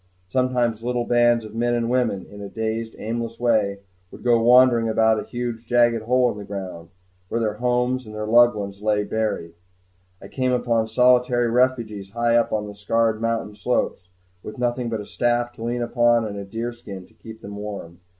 Sometimes little bands of men and women, in a dazed aimless way, would go wandering about a huge jagged hole in the ground, where their homes and their loved ones lay buried. I came upon solitary refugees high up on the scarred mountain slopes, with nothing but a staff to lean upon and a deer skin to keep them warm.